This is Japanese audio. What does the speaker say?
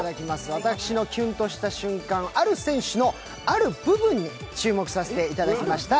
私のキュンとした瞬間、ある選手の、ある部分に注目させていただきました。